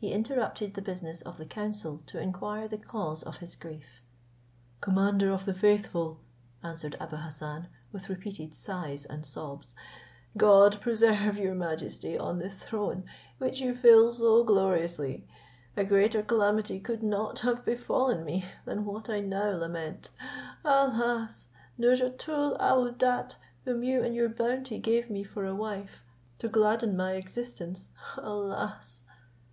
He interrupted the business of the council to inquire the cause of his grief. "Commander of the faithful," answered Abou Hassan, with repeated sighs and sobs, "God preserve your majesty on the throne, which you fill so gloriously! a greater calamity could not have befallen me than what I now lament. Alas! Nouzhatoul aouadat whom you in your bounty gave me for a wife to gladden my existence, alas!"